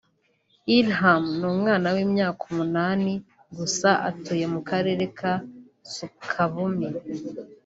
Ilham ni umwana w’ imyaka umunani gusa atuye mu karere ka Sukabumi